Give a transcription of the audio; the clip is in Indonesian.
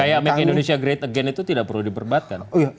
kayak make indonesia great again itu tidak perlu diperdebatkan